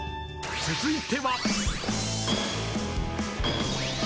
［続いては］